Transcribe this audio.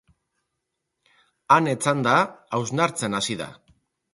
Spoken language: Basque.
Han etzanda hausnartzen hasi da.